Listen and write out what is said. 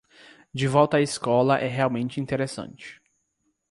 De volta à escola é realmente interessante